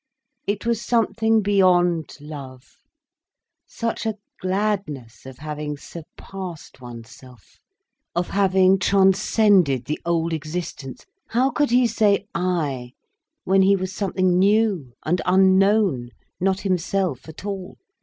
It was something beyond love, such a gladness of having surpassed oneself, of having transcended the old existence. How could he say 'I' when he was something new and unknown, not himself at all?